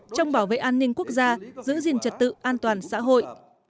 trong bảo vệ an ninh quốc gia giữ gìn trật tự an toàn xã hội